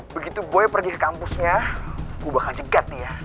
begitu boi pergi ke kampusnya gue bakal cegat dia